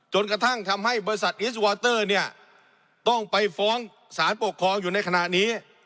จนกระทั่งทำให้บริษัทอิสวอเตอร์เนี่ยต้องไปฟ้องสารปกครองอยู่ในขณะนี้